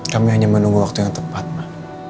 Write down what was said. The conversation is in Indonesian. kami hanya menunggu waktu yang tepat mbak